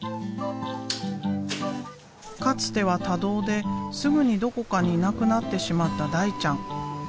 かつては多動ですぐにどこかにいなくなってしまった大ちゃん。